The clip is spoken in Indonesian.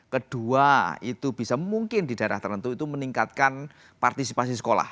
kedua itu bisa mungkin di daerah tertentu itu meningkatkan partisipasi sekolah